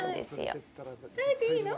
食べていいの？